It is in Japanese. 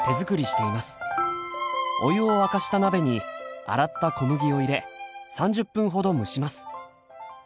お湯を沸かした鍋に洗った小麦を入れ３０分ほど蒸します。